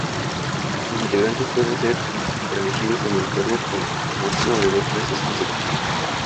Sus integrantes pueden ser reelegidos en el cargo por máximo de dos veces consecutivas.